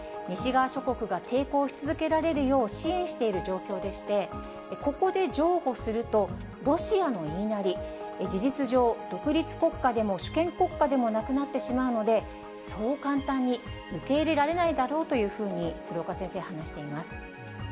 西側諸国が抵抗し続けられるよう支援している状況でして、ここで譲歩すると、ロシアの言いなり、事実上、独立国家でも主権国家でもなくなってしまうので、そう簡単に受け入れられないだろうというふうに、鶴岡先生、話しています。